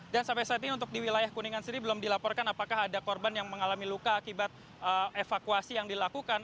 dan sampai saat ini untuk di wilayah kuningan sendiri belum dilaporkan apakah ada korban yang mengalami luka akibat evakuasi yang dilakukan